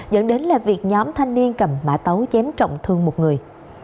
dẫn đến là việc nhóm thanh niên cầm mã tấu chém trọng thương một người